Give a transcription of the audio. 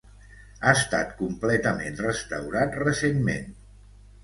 Ha estat completament restaurat recentment.